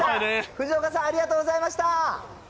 藤岡さん、ありがとうございました。